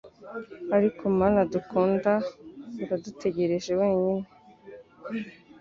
Ariko mama dukunda aradutegereje wenyine.